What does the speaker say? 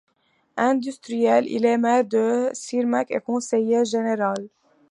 Industriel, il est maire de Schirmeck et conseiller général.